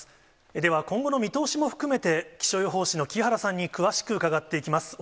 では、今後の見通しも含めて、気象予報士の木原さんに詳しく伺っていきます。